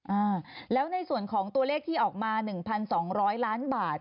อ่าแล้วในส่วนของตัวเลขที่ออกมา๑๒๐๐ล้านบาท